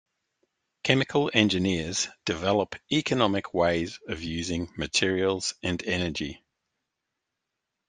Chemical engineers "develop economic ways of using materials and energy".